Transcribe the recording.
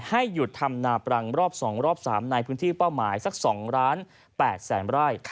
ให้หยุดทำนาปรังรอบ๒รอบ๓ในพื้นที่เป้าหมายสัก๒๘๐๐๐ไร่